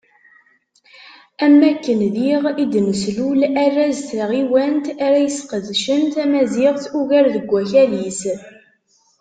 Am wakken diɣ, i d-neslul arraz n tɣiwant ara yesqedcen tamaziɣt ugar deg wakal-is.